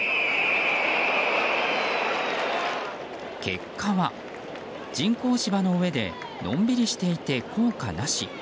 結果は人工芝の上でのんびりしていて効果なし。